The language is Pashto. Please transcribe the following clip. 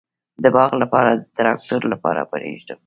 د باغ لپاره د تراکتور لاره پریږدم؟